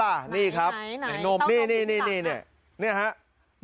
ไหนเต้านมกินต่างนี่นี่นะครับ